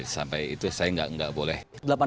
sampai itu saya nggak boleh